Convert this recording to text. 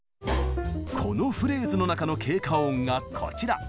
このフレーズの中の「経過音」がこちら。